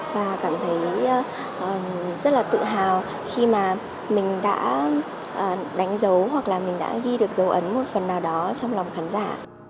và cảm thấy rất là tự hào khi mà mình đã đánh dấu hoặc là mình đã ghi được dấu ấn một phần nào đó trong lòng khán giả